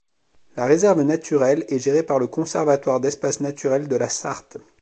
La réserve naturelle est gérée par le Conservatoire d'espaces naturels de la Sarthe.